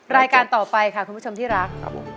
รายการต่อไปค่ะคุณผู้ชมที่รัก